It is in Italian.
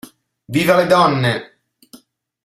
W le donne